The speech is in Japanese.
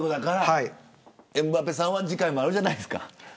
エムバペさんは次回もあるじゃないですかと。